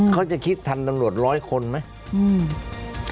เขาจะคิดทันตำรวจร้อยคนไหม